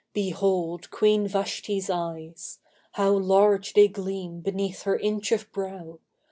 Behold Queen Vashti's eyes! How large they gleam beneath her inch of brow!